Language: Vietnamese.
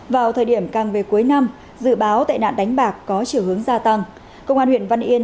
vào thời điểm càng về cuối năm dự báo tệ nạn đánh bạc có chiều hướng gia tăng công an huyện văn yên